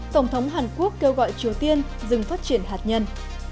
tổng thống hàn quốc kêu gọi triều tiên dừng phát triển hạt nhân